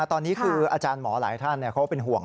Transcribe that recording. ตอนนี้คืออาจารย์หมอหลายท่านเขาเป็นห่วง